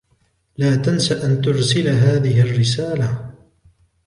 لا تنسَ أن ترسل هذه الرسالة.